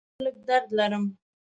هو، لږ درد لرم